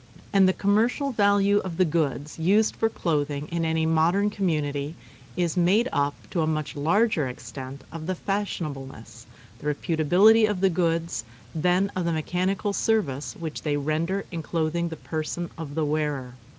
And the commercial value of the goods used for clotting in any modern community is made up to a much larger extent of the fashionableness, the reputability of the goods than of the mechanical service which they render in clothing the person of the wearer.